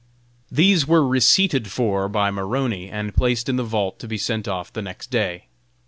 These were receipted for by Maroney, and placed in the vault to be sent off the next day.